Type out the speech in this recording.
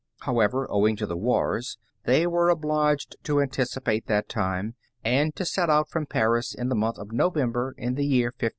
However, owing to the wars, they were obliged to anticipate that time, and to set out from Paris in the month of November in the year 1536.